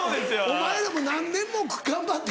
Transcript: お前らも何年も頑張って。